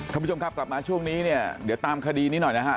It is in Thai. ท่านผู้ชมครับกลับมาช่วงนี้เนี่ยเดี๋ยวตามคดีนี้หน่อยนะฮะ